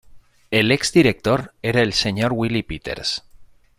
El ex director era el Sr. Willy Peeters.